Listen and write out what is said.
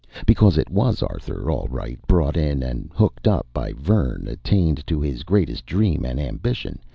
Because it was Arthur, all right, brought in and hooked up by Vern, attained to his greatest dream and ambition.